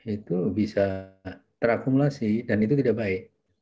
itu bisa terakumulasi dan itu tidak baik